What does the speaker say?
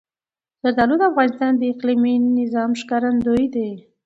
زردالو د افغانستان د اقلیمي نظام ښکارندوی ده.